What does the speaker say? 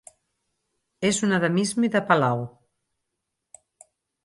És un endemisme de Palau.